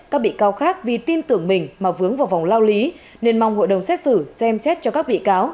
các bị cáo khác vì tin tưởng mình mà vướng vào vòng lao lý nên mong hội đồng xét xử xem xét cho các bị cáo